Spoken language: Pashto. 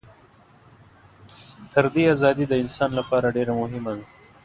فردي ازادي د انسان لپاره ډېره مهمه ده.